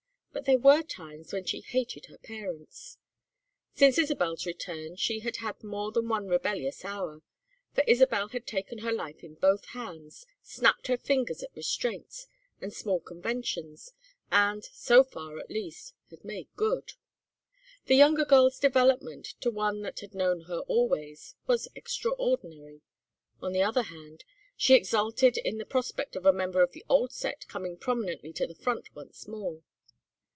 But there were times when she hated her parents. Since Isabel's return she had had more than one rebellious hour, for Isabel had taken her life in both hands, snapped her fingers at restraints and small conventions, and, so far, at least, had made good. And the younger girl's development, to one that had known her always, was extraordinary. On the other hand, she exulted in the prospect of a member of the old set coming prominently to the front once more.